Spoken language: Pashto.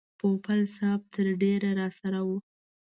پوپل صاحب تر ډېره راسره و.